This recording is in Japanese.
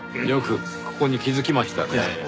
よくここに気づきましたねぇ。